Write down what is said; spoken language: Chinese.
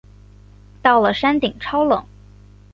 到了山顶超冷